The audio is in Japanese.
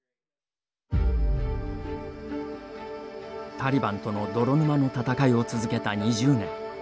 タリバンとの泥沼の戦いを続けた２０年。